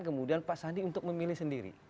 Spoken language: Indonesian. kemudian pak sandi untuk memilih sendiri